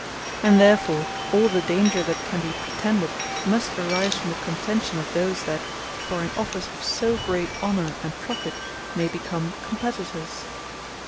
And therefore all the danger that can be pretended, must arise from the Contention of those, that for an office of so great honour, and profit, may become Competitors.